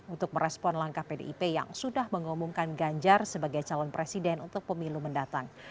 untuk merespon langkah pdip yang sudah mengumumkan ganjar sebagai calon presiden untuk pemilu mendatang